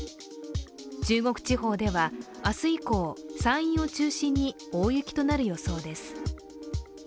中国地方では明日以降、山陰を中心に大雪となる予想です。